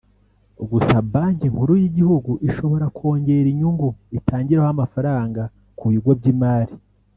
Gusa Banki Nkuru y’igihugu ishobora kongera inyungu itangiraho amafaranga ku bigo by’imari